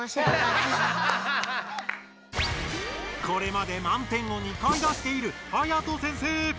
これまで満点を２回出しているはやと先生！